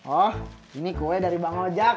oh ini kue dari bang ojek